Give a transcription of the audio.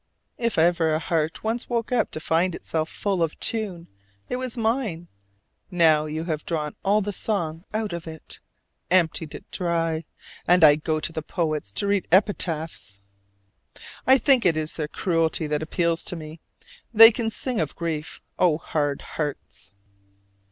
If ever a heart once woke up to find itself full of tune, it was mine; now you have drawn all the song out of it, emptied it dry: and I go to the poets to read epitaphs. I think it is their cruelty that appeals to me: they can sing of grief! O hard hearts!